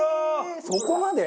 そこまで？